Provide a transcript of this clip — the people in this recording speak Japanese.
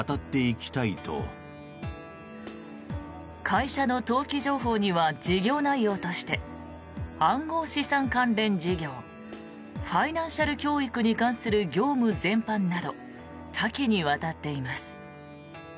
会社の登記情報には事業内容として暗号資産関連事業ファイナンシャル教育に関する業務全般など多岐にわたっています。